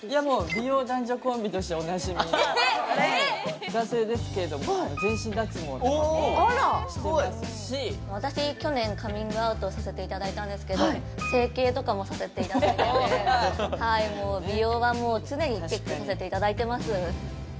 美容男女コンビとしておなじみの男性ですけれども私去年カミングアウトさせていただいたんですけど整形とかもさせていただいてて美容はもう常にチェックさせていただいてます